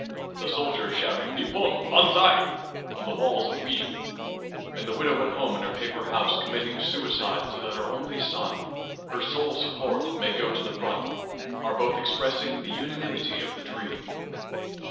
The soldier shouting "Nippon, Banzai!" on the walls of Wiju, the widow at home in her paper house committing suicide so that her only son, her sole support, may go to the front, are both expressing the unanimity of the dream.